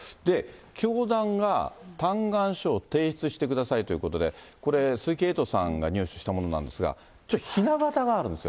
教団が嘆願書を提出してくださいということで、これ、鈴木エイトさんが入手したものなんですが、ひな型があるんですよ。